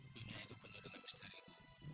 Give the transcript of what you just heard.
dunia itu penuh dengan kesenarian